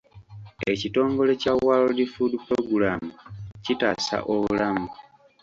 Ekitongole kya World Food Programme kitaasa obulamu.